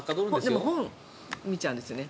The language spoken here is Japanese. でも、本を見ちゃうんですよね。